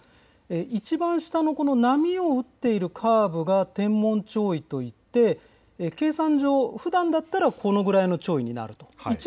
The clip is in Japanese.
いちばん下の波を打っているカーブが天文潮位といって計算上、ふだんだったらこれぐらいの潮位になるというところです。